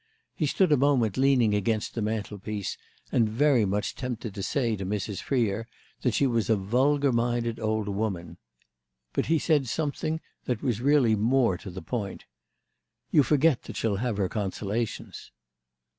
He stood a moment leaning against the mantelpiece and very much tempted to say to Mrs. Freer that she was a vulgar minded old woman. But he said something that was really more to the point. "You forget that she'll have her consolations."